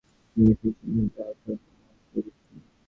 কারণ, মন জিনিসটা সজীব পদার্থ, নিমেষে নিমেষে তাহার পরিণতি এবং পরিবর্তন।